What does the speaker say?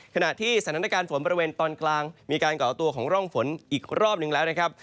ขณะที่สถานการณ์ฝนบริเวณตอนกลางมีการก่อตัวของร่องฝนอีกรอบหนึ่งแล้วนะครับ